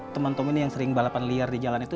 temen tomi nih yang sering balapan liar di jalan itu